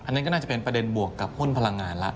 อันนี้ก็น่าจะเป็นประเด็นบวกกับหุ้นพลังงานแล้ว